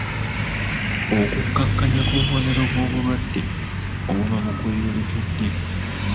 Okukkakkanya ku bubonero bw’obulwadde obuba bukweyolekeddeko.